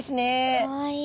かわいい。